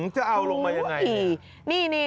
จะเอาลงมายังไง